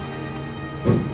jadi ada masalah apapun cerita